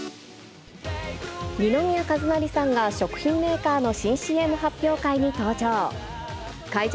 二宮和也さんが食品メーカーの新ＣＭ発表会に登場。